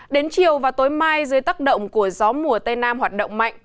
đến chiều và tối mai dưới tác động của gió mùa tây nam hoạt động mạnh